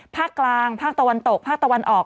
ภาคกลางภาคตะวันตกภาคตะวันออก